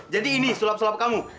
jadi ini sulap sulap kamu